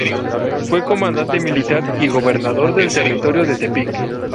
Fue comandante militar y gobernador del Territorio de Tepic.